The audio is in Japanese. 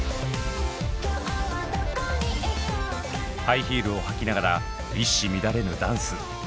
ハイヒールを履きながら一糸乱れぬダンス。